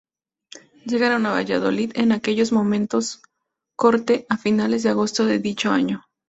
Llegaron a Valladolid, en aquellos momentos corte, a finales de agosto de dicho año.